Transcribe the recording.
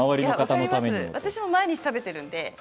私も毎日食べてるんで。